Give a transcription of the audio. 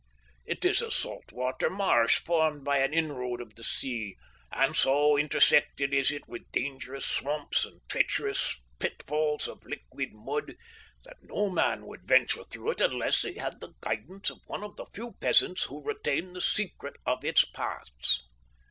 It is a salt water marsh formed by an inroad of the sea, and so intersected is it with dangerous swamps and treacherous pitfalls of liquid mud, that no man would venture through it unless he had the guidance of one of the few peasants who retain the secret of its paths.